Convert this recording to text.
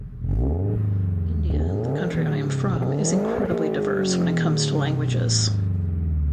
India, the country I am from, is incredibly diverse when it comes to languages.